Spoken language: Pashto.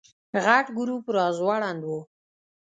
غټ ګروپ راځوړند و.